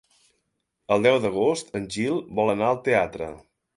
El deu d'agost en Gil vol anar al teatre.